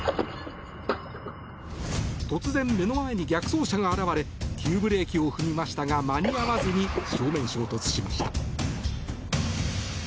突然、目の前に逆走車が現れ急ブレーキを踏みましたが間に合わずに正面衝突しました。